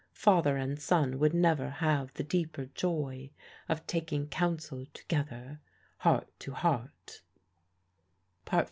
Father and son would never have the deeper joy of taking counsel together heart to heart.